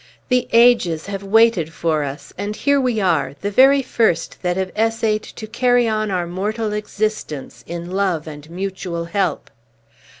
The ages have waited for us, and here we are, the very first that have essayed to carry on our mortal existence in love and mutual help!